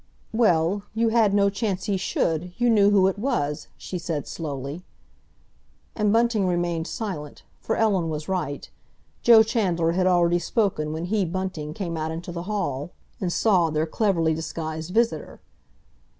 "Well, you had no chance he should—you knew who it was," she said slowly. And Bunting remained silent, for Ellen was right. Joe Chandler had already spoken when he, Bunting, came out into the hall, and saw their cleverly disguised visitor.